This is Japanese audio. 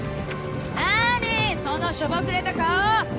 何そのしょぼくれた顔！